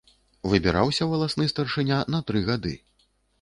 Выбіраўся валасны старшыня на тры гады.